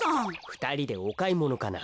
ふたりでおかいものかな？